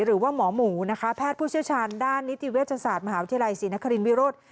หรือว่าหมอหมูนะคะแพทย์ผู้เชี่ยวชาญด้านนิติเวชศาสตร์มหาวิทยาลัยศรีนครินวิโรธ